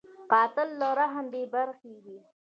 قاتل له رحم بېبرخې وي